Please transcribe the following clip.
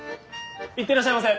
行ってらっしゃいませ！